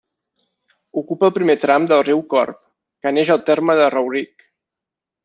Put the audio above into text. Ocupa el primer tram del riu Corb, que neix al terme de Rauric.